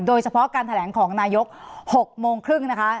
โดยเฉพาะการแถลงของนายก๖โมงครึ่งนะคะ